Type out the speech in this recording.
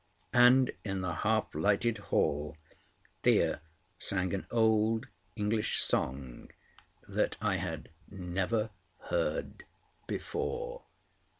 And in the half lighted hall, Thea sang an old English song that I had never heard before.